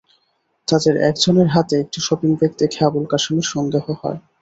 তাঁদের একজনের হাতে একটি শপিং ব্যাগ দেখে আবুল কাশেমের সন্দেহ হয়।